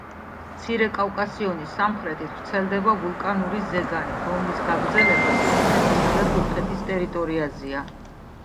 მცირე კავკასიონის სამხრეთით ვრცელდება ვულკანური ზეგანი, რომლის გაგრძელება სომხეთისა და თურქეთის ტერიტორიაზეა.